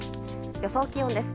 予想気温です。